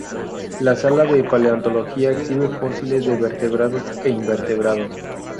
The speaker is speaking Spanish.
La sala de Paleontología exhibe fósiles de vertebrados e invertebrados.